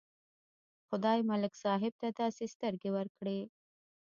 خدای ملک صاحب ته داسې سترګې ورکړې.